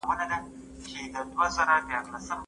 ورور مي وویل چي کمپیوټر د نن عصر اړتیا ده.